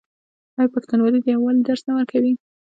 آیا پښتونولي د یووالي درس نه ورکوي؟